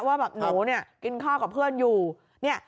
ว่าแบบหนูเนี่ยกินข้าวกับเพื่อนอยู่เนี่ย